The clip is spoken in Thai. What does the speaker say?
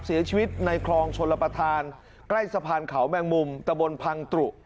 เสียชีวิตในคลองชลประธานใกล้สะพานเขาแมงมุมตะบนพังตรุ